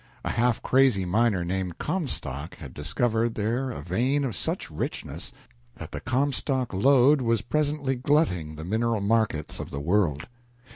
A half crazy miner, named Comstock, had discovered there a vein of such richness that the "Comstock Lode" was presently glutting the mineral markets of the world.